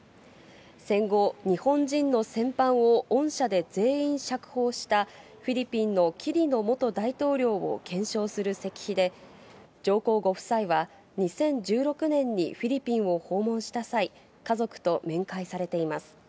戦後日本人の戦犯を恩赦で全員釈放したフィリピンのキリノ元大統領を顕彰する石碑で、上皇ご夫妻は２０１６年にフィリピンを訪問した際、家族と面会されています。